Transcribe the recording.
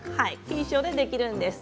菌床でできます。